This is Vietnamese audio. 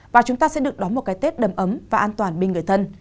và chúng ta sẽ được đón một cái tết đầm ấm và an toàn bên người thân